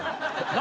何？